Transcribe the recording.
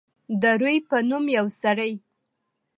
د روي په نوم یو سړی.